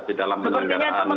di dalam penyelenggaraan